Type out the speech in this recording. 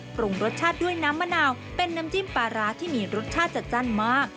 ปรุงรสชาติด้วยน้ำมะนาวเป็นน้ำจิ้มปลาร้าที่มีรสชาติจัดจ้านมาก